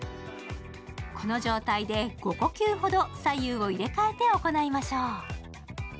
この状態で５呼吸ほど左右を入れ替えて行いましょう。